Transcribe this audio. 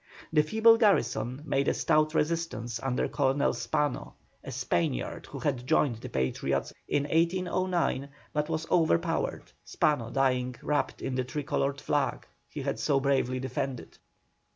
The feeble garrison made a stout resistance under Colonel Spano, a Spaniard who had joined the Patriots in 1809, but was overpowered, Spano dying wrapped in the tricoloured flag he had so bravely defended.